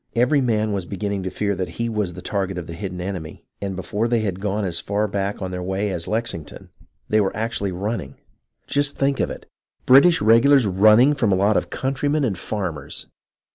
Every man was beginning to fear that he was the target of the hidden enemy, and before they had gone as far back on their way as Lexington, they were THE RESORT TO ARMS 4I actually running. Just think of it, British regulars rmining from a lot of countrymen and farmers